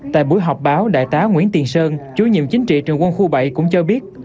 tại buổi họp báo đại tá nguyễn tiền sơn chú nhiệm chính trị trường quân khu bảy cũng cho biết